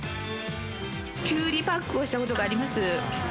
きゅうりパックをしたことがあります。